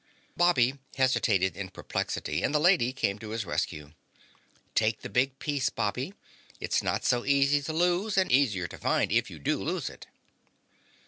Bobby hesitated in perplexity and the Lady came to his rescue. "Take the big piece, Bobby. It's not so easy to lose and easier to find if you do lose it."